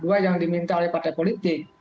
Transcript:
dua yang diminta oleh partai politik